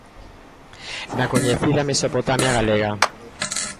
Na coñecida Mesopotamia galega.